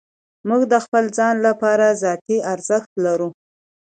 موږ د خپل ځان لپاره ذاتي ارزښت لرو.